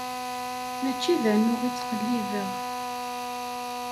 Mačči d anuɣ i ttqellibeɣ.